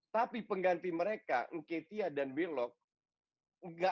tapi pengganti mereka nketia dan willock